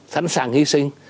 sẵn sàng hy sinh